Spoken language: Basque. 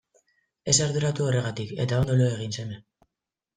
Ez arduratu horregatik eta ondo lo egin seme.